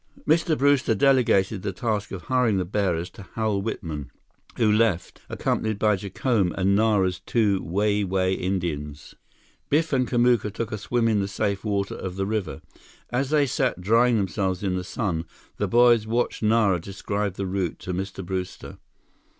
Mr. Brewster delegated the task of hiring the bearers to Hal Whitman, who left, accompanied by Jacome and Nara's two Wai Wai Indians. Biff and Kamuka took a swim in the safe water of the river. As they sat drying themselves in the sun, the boys watched Nara describe the route to Mr. Brewster.